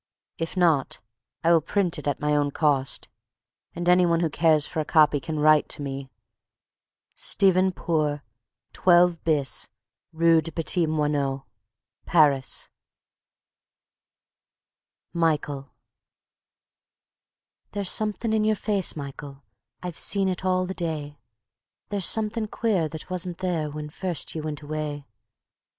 If not, I will print it at my own cost, and any one who cares for a copy can write to me Stephen Poore, 12 bis, Rue des Petits Moineaux, Paris. Michael "There's something in your face, Michael, I've seen it all the day; There's something quare that wasn't there when first ye wint away. .